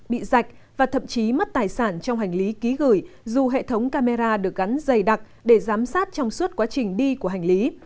bị dạch và thậm chí mất tài sản trong hành lý ký gửi dù hệ thống camera được gắn dày đặc để giám sát trong suốt quá trình đi của hành lý